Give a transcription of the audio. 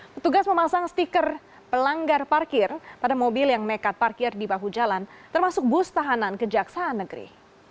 petugas memasang stiker pelanggar parkir pada mobil yang nekat parkir di bahu jalan termasuk bus tahanan kejaksaan negeri